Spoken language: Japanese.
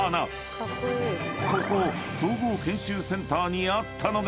［ここ総合研修センターにあったのが］